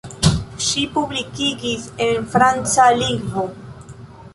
Ŝi publikigis en franca lingvo.